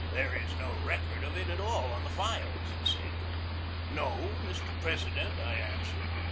"There is no record of it at all on the files," he said. "No, Mr. President," I answered.